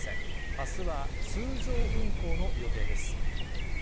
あすは通常運行の予定です。